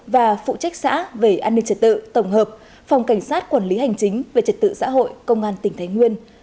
và phụ trách xã về an ninh trật tự tổng hợp phòng cảnh sát quản lý hành chính về trật tự xã hội công an tỉnh thái nguyên